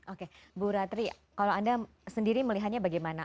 oke bu ratri kalau anda sendiri melihatnya bagaimana